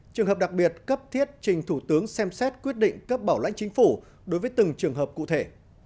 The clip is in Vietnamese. trường hợp đặc biệt cấp thiết trình thủ tướng xem xét quyết định cấp bảo lãnh chính phủ đối với từng trường hợp cụ thể